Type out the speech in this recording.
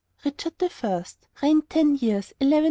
RICHARD THE FIRST Reigned ten years: 1189 1199.